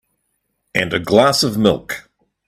And a glass of milk.